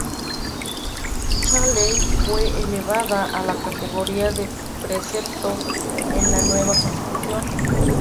Dicha ley fue elevada a la categoría de precepto en la nueva Constitución.